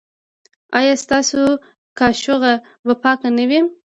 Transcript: ایا ستاسو کاشوغه به پاکه نه وي؟